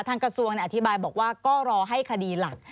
กระทรวงอธิบายบอกว่าก็รอให้คดีหลัก